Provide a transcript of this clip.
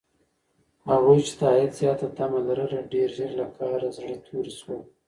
هغوی چې د عاید زیاته تمه لرله، ډېر ژر له کاره زړه توري شول.